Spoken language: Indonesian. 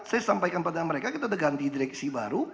saya sampaikan pada mereka kita ganti direksi